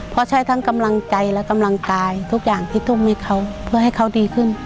เพราะใช้ทั้งกำลังใจและกำลังกายทุกอย่างที่ทุ่มให้เขาเพื่อให้เขาดีขึ้น